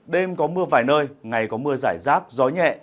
đêm có mưa vài nơi ngày có mưa giải rác gió nhẹ